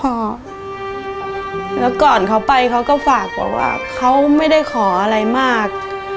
แล้วก่อนเขาไปเขาก็ฝากบอกว่าเขาไม่ได้ขออะไรมาก